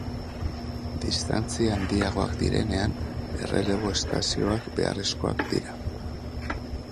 Distantzia handiagoak direnean, errelebo-estazioak beharrezkoak dira.